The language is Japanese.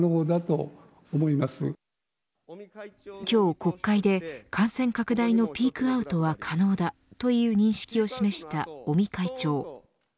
今日国会で感染拡大のピークアウトは可能だという認識を示した尾身会長。